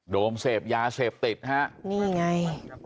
โด่งเสพหยาเสพติดนี่ไง